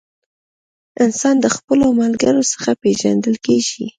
انسان د خپلو ملګرو څخه پیژندل کیږي.